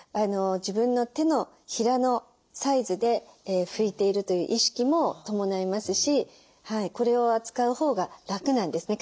自分の手のひらのサイズで拭いているという意識も伴いますしこれを扱うほうが楽なんですね